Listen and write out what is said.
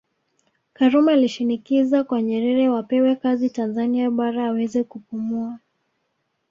Karume alishinikiza kwa Nyerere wapewe kazi Tanzania Bara aweze kupumua